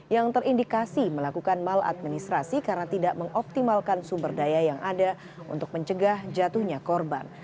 yang terindikasi melakukan maladministrasi karena tidak mengoptimalkan sumber daya yang ada untuk mencegah jatuhnya korban